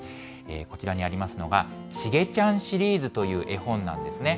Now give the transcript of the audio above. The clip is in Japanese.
こちらにありますのが、しげちゃんシリーズという絵本なんですね。